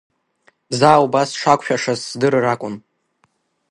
Заа убас сшақәшәашаз здырыр акәын!